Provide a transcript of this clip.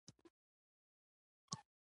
هګۍ پخلی ډېر آسانه دی.